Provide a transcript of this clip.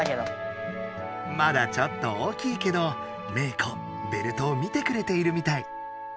まだちょっと大きいけどメー子ベルトを見てくれているみたい！